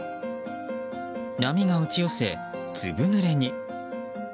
波が打ち寄せ、ずぶぬれに。